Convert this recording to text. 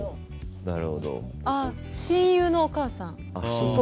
あ、親友のお母さん。